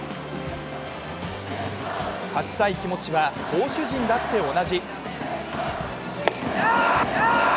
勝ちたい気持ちは投手陣だって同じ。